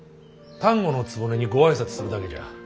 丹後局にご挨拶するだけじゃ。